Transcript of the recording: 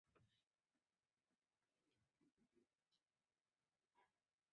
十八里汰戏楼的历史年代为清代。